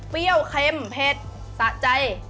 เปรี้ยวเค็มเผ็ดสะใจ